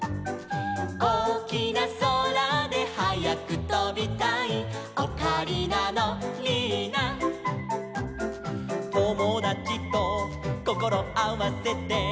「おおきなそらではやくとびたい」「オカリナのリーナ」「ともだちとこころあわせて」